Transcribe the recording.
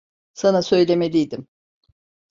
Sana söylemeliydim.